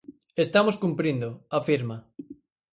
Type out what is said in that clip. Estamos cumprindo, afirma.